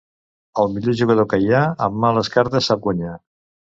El millor jugador que hi ha, amb males cartes sap guanyar.